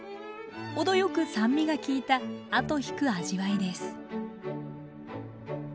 程よく酸味が利いた後引く味わいです